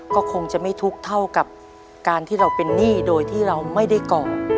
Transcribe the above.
ก็คงจะไม่ทุกข์เท่ากับการที่เราเป็นหนี้โดยที่เราไม่ได้ก่อ